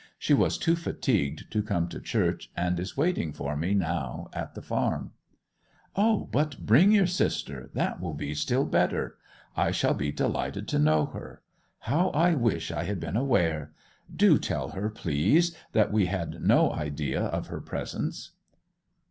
She was too fatigued to come to church, and is waiting for me now at the farm.' 'Oh, but bring your sister—that will be still better! I shall be delighted to know her. How I wish I had been aware! Do tell her, please, that we had no idea of her presence.